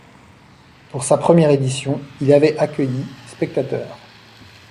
Pour sa première édition, il avait accueilli spectateurs.